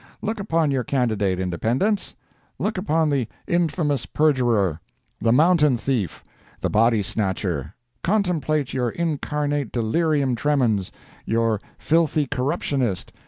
Look upon your candidate, Independents! Look upon the Infamous Perjurer! the Montana Thief! the Body Snatcher! Contemplate your incarnate Delirium Tremens! your Filthy Corruptionist!